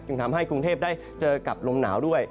ทำให้กรุงเทพได้เจอกับลมหนาวด้วย